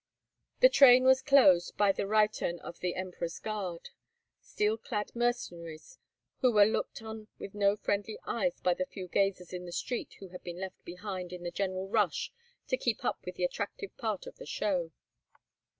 The train was closed by the Reitern of the Emperor's guard—steel clad mercenaries who were looked on with no friendly eyes by the few gazers in the street who had been left behind in the general rush to keep up with the attractive part of the show.